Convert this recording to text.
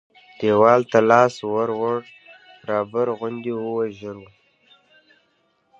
دیوال ته لاس ور ووړ رابر غوندې و ژور و.